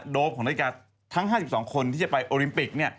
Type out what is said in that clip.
โปของนาฬิกาทั้ง๕๒คนที่จะไปโอลิมปิก